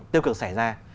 tiêu cực xảy ra